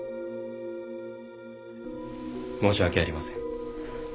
申し訳ありません。